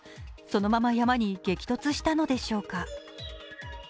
そのまま山に激突したのでしょうか。